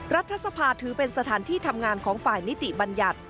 รัฐสภาถือเป็นสถานที่ทำงานของฝ่ายนิติบัญญัติ